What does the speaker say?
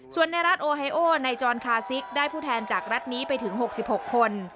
ส่วนในรัฐโอไฮโอในจอนคาซิกได้ผู้แทนจากรัฐนี้ไปถึง๖๖คน